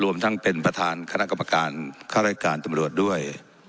รวมทั้งเป็นประธานคณะกรรมการค่ารายการตำรวจด้วย